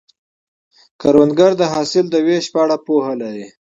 کروندګر د حاصل د ویش په اړه پوهه لري